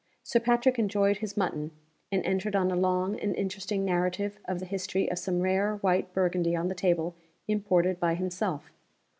Sir Patrick enjoyed his mutton, and entered on a long and interesting narrative of the history of some rare white Burgundy on the table imported by himself.